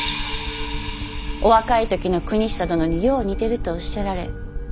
お若い時の邦久殿によう似てるとおっしゃられ。